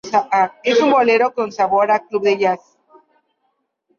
Es un bolero con sabor a club de jazz.